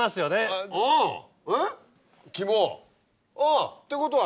えっ？ってことは。